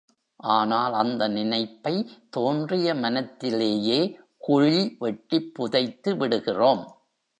ஆனால் அந்த நினைப்பை, தோன்றிய மனத்திலேயே, குழி வெட்டிப் புதைத்துவிடுகிறோம்.